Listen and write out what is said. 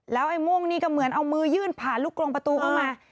ไอ้ม่วงนี่ก็เหมือนเอามือยื่นผ่านลูกกรงประตูเข้ามา